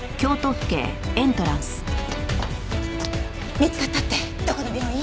見つかったってどこの病院？